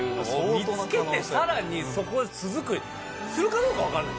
見つけてさらにそこ巣作りするかどうか分かんない。